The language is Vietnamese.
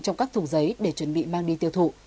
trong các thùng giấy để chuẩn bị mang đi tiêu thụ